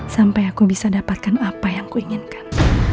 sampai aku bisa dapatkan apa yang kuinginkan